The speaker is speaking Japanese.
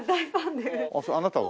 あなたは？